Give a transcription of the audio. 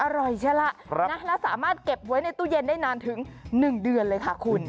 อร่อยใช่ล่ะแล้วสามารถเก็บไว้ในตู้เย็นได้นานถึง๑เดือนเลยค่ะคุณ